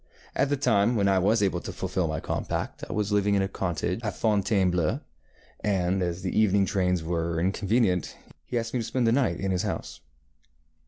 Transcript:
At the time when I was able to fulfil my compact I was living in a cottage at Fontainebleau, and as the evening trains were inconvenient, he asked me to spend the night in his house.